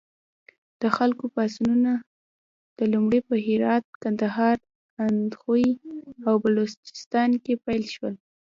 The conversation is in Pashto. د خلکو پاڅونونه لومړی په هرات، کندهار، اندخوی او بلوچستان کې پیل شول.